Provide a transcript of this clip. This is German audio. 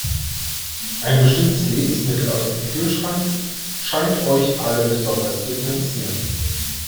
Ein bestimmtes Lebensmittel aus dem Kühlschrank scheint euch alle besonders zu interessieren.